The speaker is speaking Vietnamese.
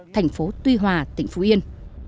thành phố tuy hòa tỉnh phú yên